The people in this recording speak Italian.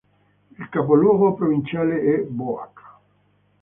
Il capoluogo provinciale è Boac.